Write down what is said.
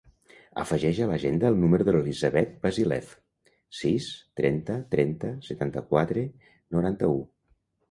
Afegeix a l'agenda el número de l'Elisabeth Vasilev: sis, trenta, trenta, setanta-quatre, noranta-u.